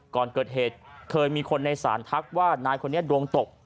ก่อนเกิดเหตุเคยมีคนในศาลทักว่านายคนนี้ดวงตก